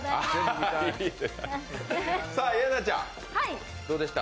イェナちゃんどうでした？